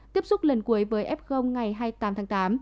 tiếp xúc lần cuối với f ngày hai mươi tám tháng tám